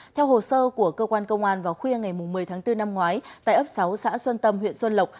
theo hồ sơ của cơ quan công an vào khuya ngày một mươi tháng bốn năm ngoái tại ấp sáu xã xuân tâm huyện xuân lộc